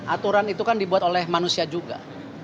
aturan itu kan dibuat oleh manusia juga